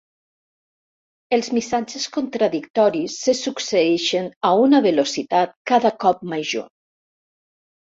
Els missatges contradictoris se succeeixen a una velocitat cada cop major.